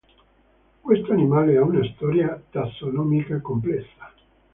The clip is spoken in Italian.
Questo animale ha una storia tassonomica complessa.